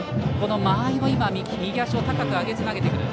間合いを、右足を高く上げて投げてくる。